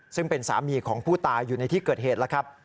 ซึ่งเป็นสามีของผู้ตายอยู่ในที่เกิดเหตุแล้วครับ